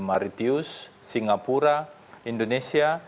maritius singapura indonesia